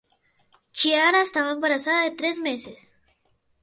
Chiara estaba embarazada de tres meses.